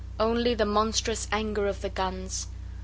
Only the monstrous anger of the guns.